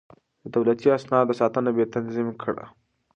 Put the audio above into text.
د دولتي اسنادو ساتنه يې تنظيم کړه.